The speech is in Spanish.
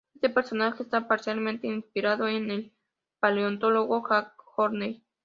Este personaje está parcialmente inspirado en el paleontólogo Jack Horner.